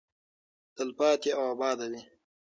تلپاتې او اباده وي.